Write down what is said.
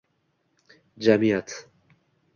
Jamiyat